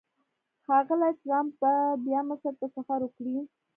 ښاغلی ټرمپ به بیا مصر ته سفر وکړي.